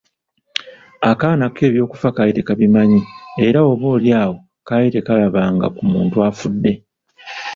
Akaana ko eby'okufa kaali tekabimanyi era oba oli awo kaali tekalabanga ku muntu afudde.